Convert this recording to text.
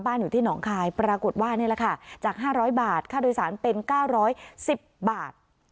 บ้านอยู่ที่หนองคายปรากฏว่านี่แหละค่ะจากห้าร้อยบาทค่าโดยสารเป็นเก้าร้อยสิบบาท